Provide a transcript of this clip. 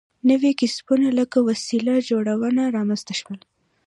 نوي کسبونه لکه وسله جوړونه رامنځته شول.